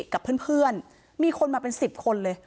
กับเพื่อนมีคนมาเป็น๑๐คนเลย